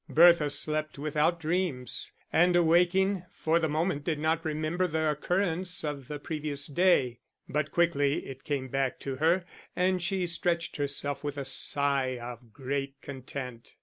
Bertha slept without dreams, and awaking, for the moment did not remember the occurrence of the previous day; but quickly it came back to her and she stretched herself with a sigh of great content.